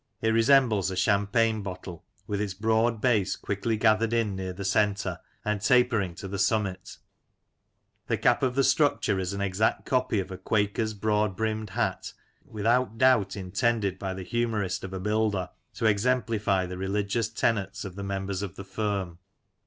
It resembles a champagne bottle, with its broad base quickly gathered in near the centre, and tapering to the summit The cap of the structure is an exact copy of a Quaker's broad brimmed hat, without doubt intended by the humourist of a builder to exemplify the religious tenets of the members of the Firm.